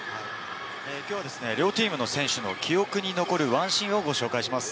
きょうはですね、両チームの選手の記憶に残る１シーンをご紹介します。